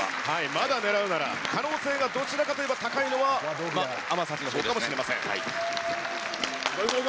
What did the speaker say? まだ狙うなら、可能性がどちらかといえば高いのは、天咲のほうかもしれません。